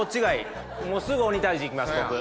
もうすぐ鬼退治行きます僕。